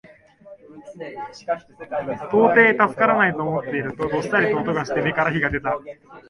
到底助からないと思っていると、どさりと音がして眼から火が出た